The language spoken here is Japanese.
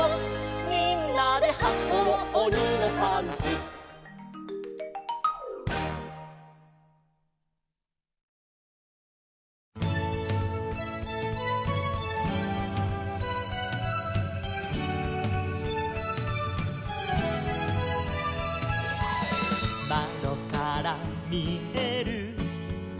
「みんなではこうおにのパンツ」「まどからみえる」